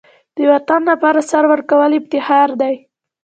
د وطن لپاره سر ورکول افتخار دی.